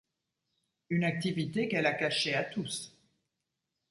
Une activité qu'elle a cachée à tous.